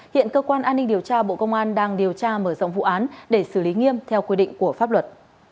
hiện cơ quan an ninh điều tra bộ công an đang điều tra mở rộng vụ án để xử lý nghiêm theo quy định của pháp luật